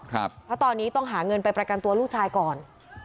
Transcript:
เพราะตอนนี้ต้องหาเงินไปประกันตัวลูกชายก่อน